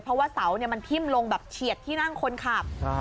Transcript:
เพราะว่าเสามันทิ่มลงแบบเฉียดที่นั่งคนขับ